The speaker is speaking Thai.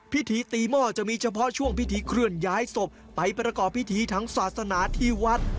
พิธีตีหม้อจะมีเฉพาะช่วงพิธีเคลื่อนย้ายศพไปประกอบพิธีทางศาสนาที่วัด